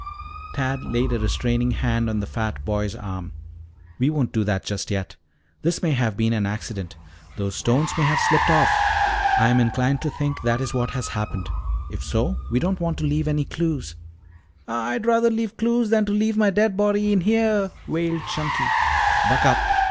Tad laid a restraining hand on the fat boy's arm. "We won't do that just yet. This may have been an accident. Those stones may have slipped off. I am inclined to think that is what has happened. If so, we don't want to leave any clues " "I'd rather leave clues than to leave my dead body in here," wailed Chunky. "Buck up!